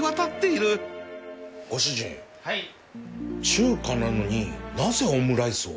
中華なのになぜオムライスを？